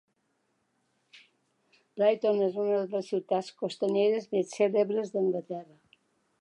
Brighton és una de les ciutats costaneres més cèlebres d'Anglaterra.